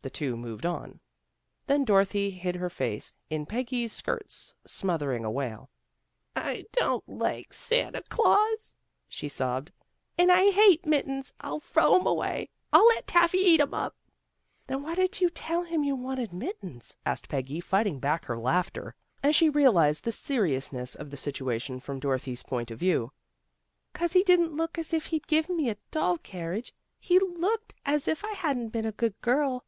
" The two moved on. Then Dorothy hid her face in Peggy's skirts, smothering a wail. " I don't like Santa Glaus," she sobbed. "And I hate mittens. I'll frow 'em away. I'll let Taffy eat 'em up." " Then why did you tell him you wanted mittens? " asked Peggy, fighting back her laughter, as she realized the seriousness of the situation, from Dorothy's point of view. ' 'Cause he didn't look as if he'd give me a doll carriage. He looked as if I hadn't been a good girl.